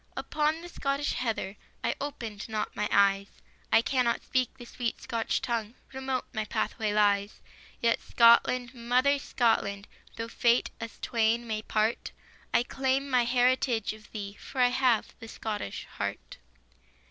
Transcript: Upon the Scottish heather I opened not my eyes, I cannot speak the sweet Scotch tongue, Remote my pathway lies; Yet Scotland, mother Scotland, Though fate us twain may part, I claim my heritage of thee, For I have the Scottish heart.